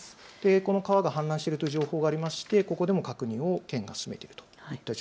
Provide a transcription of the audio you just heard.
この川が氾濫しているという情報がありまして県が確認を進めています。